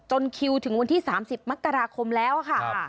จนคิวถึงวันที่สามสิบมกราคมแล้วค่ะครับ